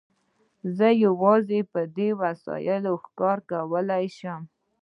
زه یوازې په دې وسایلو ښکار کولای شم.